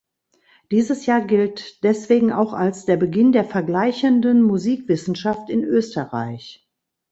Dieses Jahr gilt deswegen auch als der Beginn der Vergleichenden Musikwissenschaft in Österreich.